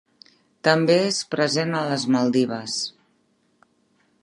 També és present a les Maldives.